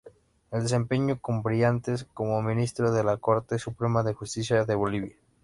Se desempeñó "con brillantez" como ministro de la Corte Suprema de Justicia de Bolivia.